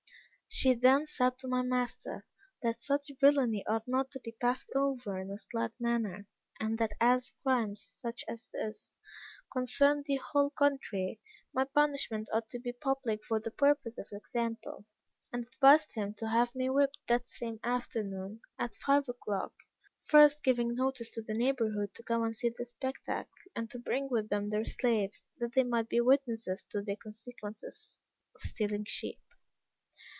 She then said to my master, that such villany ought not to be passed over in a slight manner, and that as crimes, such as this, concerned the whole country, my punishment ought to be public for the purpose of example; and advised him to have me whipped that same afternoon, at five o'clock; first giving notice to the neighborhood to come and see the spectacle, and to bring with them their slaves, that they might be witnesses to the consequences of stealing sheep.